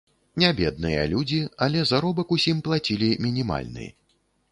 Нябедныя людзі, але заробак усім плацілі мінімальны.